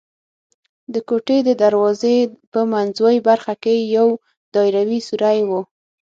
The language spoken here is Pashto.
د کوټې د دروازې په منځوۍ برخه کې یو دایروي سوری و.